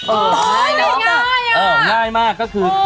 โอ้ยง่ายอะง่ายมากก็คือ